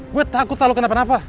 gue takut selalu kenapa napa